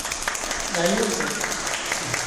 ڳايُون سي